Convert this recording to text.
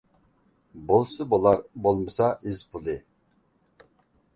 بولسا بولار، بولمىسا ئىز پۇلى.